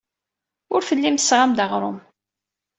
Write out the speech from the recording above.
Ur tellim tessaɣem-d aɣrum.